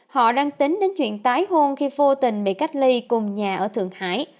họ đang tính đến chuyện tái hôn khi vô tình bị cách ly cùng nhà ở thượng hải